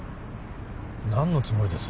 何のつもりです？